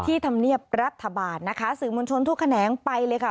ธรรมเนียบรัฐบาลนะคะสื่อมวลชนทุกแขนงไปเลยค่ะ